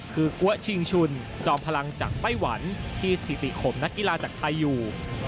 คือกัวชิงชุนจอมพลังจากไต้หวันที่สถิติขมนักกีฬาจากไทยอยู่